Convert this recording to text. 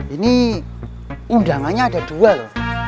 ini undangannya ada dua loh